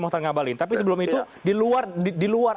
muhtar ngabalin tapi sebelum itu di luar